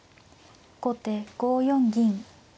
後手５四銀。